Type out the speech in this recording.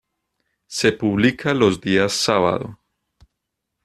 Se publica los días sábado.